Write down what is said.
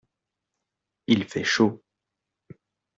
Il fait chaud.